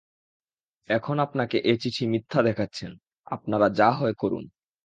এখন আপনাকে এ চিঠি মিথ্যা দেখাচ্ছেন– আপনরা যা হয় করুন।